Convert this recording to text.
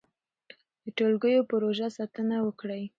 د ټولګټو پروژو ساتنه وکړئ.